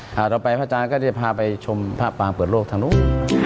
ต่อไปพระอาจารย์ก็จะพาไปชมพระปางเปิดโลกทางนู้น